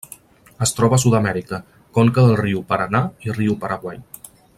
Es troba a Sud-amèrica: conca del riu Paranà i riu Paraguai.